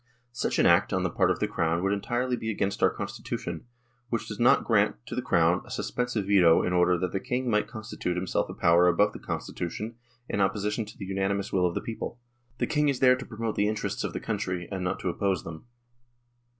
1 Such an act on the part of the Crown would be entirely against our Constitution, which does not grant to the Crown a suspensive veto in order that the King might constitute himself a power above the Constitution in opposition to the unanimous will of the people. The King is there to promote the interests of the country, and not to oppose them.